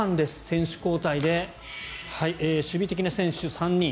選手交代で守備的な選手３人